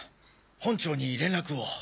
本庁に連絡を。